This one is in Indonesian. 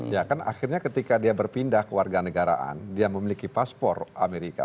ya kan akhirnya ketika dia berpindah ke warga negaraan dia memiliki paspor amerika